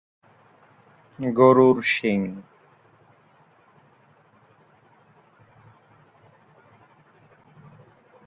এর অর্থ হচ্ছে "গরুর শিং"।